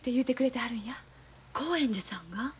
興園寺さんが？